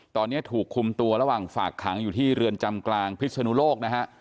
ตอนนี้ถูกคุมตัวระหว่างฝากขังอยู่ที่เรือนจำกลางพิศนุโลกนะฮะ